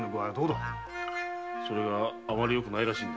それがあまりよくないらしい。